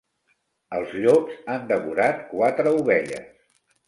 Els llops han devorat quatre ovelles.